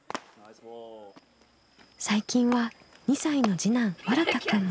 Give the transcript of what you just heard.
最近は２歳の次男わらたくんも。